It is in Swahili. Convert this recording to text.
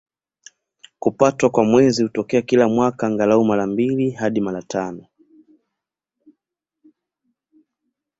Kupatwa kwa Mwezi hutokea kila mwaka, angalau mara mbili hadi mara tano.